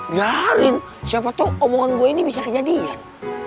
biarin siapa tahu omongan gue ini bisa kejadian